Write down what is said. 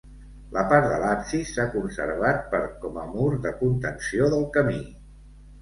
La part de l'absis s'ha conservat per com a mur de contenció del camí.